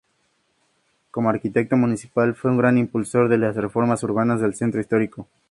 Como arquitecto municipal fue un gran impulsor de las reformas urbanas del centro histórico.